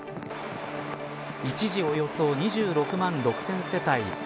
一時およそ２６万６０００世帯